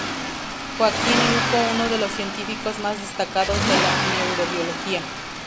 Joaquín Luco, uno de los científicos más destacados de la Neurobiología.